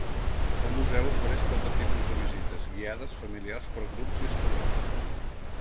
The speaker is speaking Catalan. El Museu ofereix quatre tipus de visites: guiades, familiars, per grups i escolars.